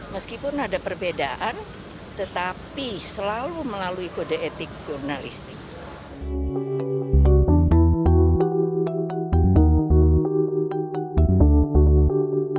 meskipun ada perbedaan tetapi selalu melalui kode etik jurnalistik